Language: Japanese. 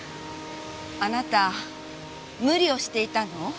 あなた無理をしていたの？